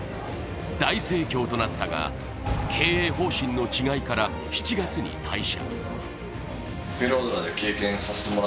大盛況となったが、経営方針の違いから７月に退社。